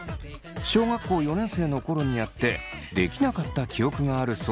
小学校４年生の頃にやってできなかった記憶があるそう。